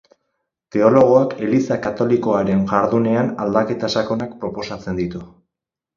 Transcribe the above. Teologoak eliza katolikoaren jardunean aldaketa sakonak proposatzen ditu.